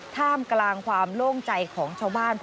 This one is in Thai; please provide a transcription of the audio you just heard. ท่ามกลางความโล่งใจของชาวบ้าน